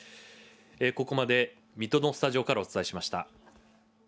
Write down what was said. ここまで水戸のスタジオからお伝えしました。